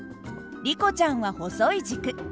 リコちゃんは細い軸。